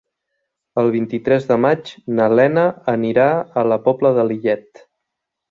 El vint-i-tres de maig na Lena anirà a la Pobla de Lillet.